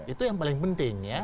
itu yang paling penting ya